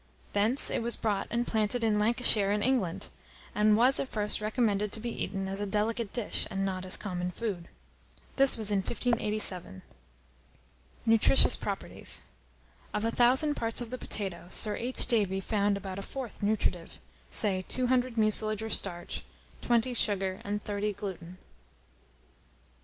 Thence it was brought and planted in Lancashire, in England, and was, at first, recommended to be eaten as a delicate dish, and not as common food. This was in 1587. Nutritious Properties. Of a thousand parts of the potato, Sir H. Davy found about a fourth nutritive; say, 200 mucilage or starch, 20 sugar, and 30 gluten.